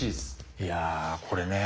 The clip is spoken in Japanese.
いやこれね。